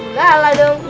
udah lah dong